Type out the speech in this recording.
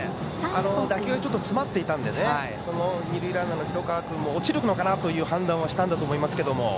打球がちょっと詰まっていたので二塁ランナーの廣川君も落ちるのかなという判断をしたんだと思いますけど。